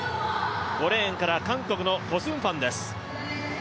５レーンから韓国のコ・スンフアンです。